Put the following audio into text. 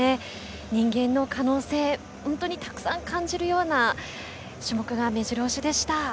人間の可能性をたくさん感じるような種目が目白押しでした。